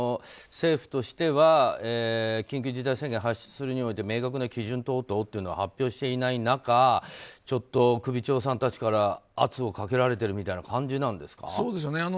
政府としては緊急事態宣言を発出するにおいて明確な基準等々というのは発表していない中ちょっと首長さんたちから圧をかけられてるみたいな感じなんですか？